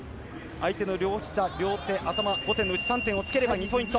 相手の両手、両足など頭、５点のうち３点をつければ２ポイント。